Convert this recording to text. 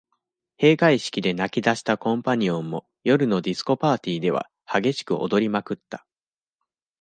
閉会式で泣き出したコンパニオンも、夜のディスコパーティーでは、激しく踊りまくった。